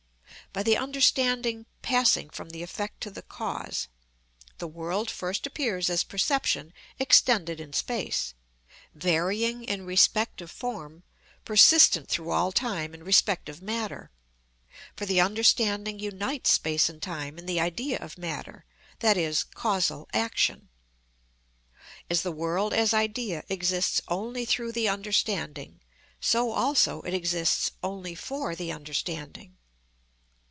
By the understanding passing from the effect to the cause, the world first appears as perception extended in space, varying in respect of form, persistent through all time in respect of matter; for the understanding unites space and time in the idea of matter, that is, causal action. As the world as idea exists only through the understanding, so also it exists only for the understanding.